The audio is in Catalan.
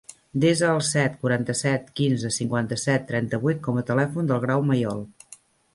Desa el set, quaranta-set, quinze, cinquanta-set, trenta-vuit com a telèfon del Grau Mayol.